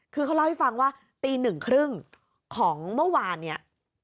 คือเขาเล่าให้ฟังว่าตีหนึ่งครึ่งของเมื่อวานเนี่ย